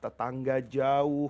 tetangga dan anak anak miskin